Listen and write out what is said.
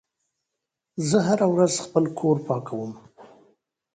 زه هره ورځ خپل کور پاکوم.